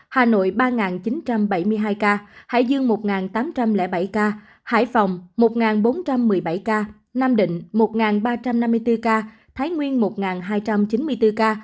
hà nội ba chín trăm bảy mươi hai ca hải dương một tám trăm linh bảy ca hải phòng một bốn trăm một mươi bảy ca nam định một ba trăm năm mươi bốn ca thái nguyên một hai trăm chín mươi bốn ca